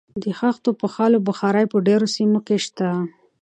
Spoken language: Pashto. د خښتو پخولو بخارۍ په ډیرو سیمو کې شته.